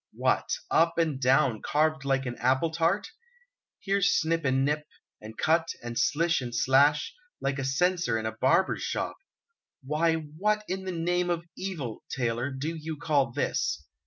What, up and down, carved like an apple tart? Here's snip and nip, and cut, and slish and slash, like a censer in a barber's shop. Why, what in the name of evil, tailor, do you call this?"